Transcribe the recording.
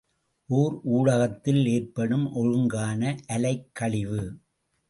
ஒர் ஊடகத்தில் ஏற்படும் ஒழுங்கான அலைக்கழிவு.